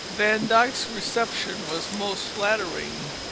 Van Dyck's reception was most flattering.